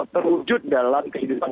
terwujud dalam kehidupan